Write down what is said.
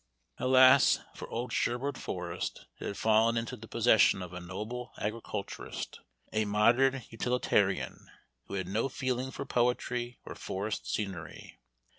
Alas! for old Sherwood Forest: it had fallen into the possession of a noble agriculturist; a modern utilitarian, who had no feeling for poetry or forest scenery.